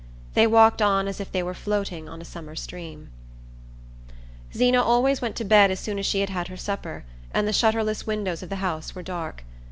They walked on as if they were floating on a summer stream. Zeena always went to bed as soon as she had had her supper, and the shutterless windows of the house were dark.